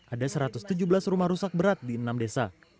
ada satu ratus tujuh belas rumah rusak berat di enam desa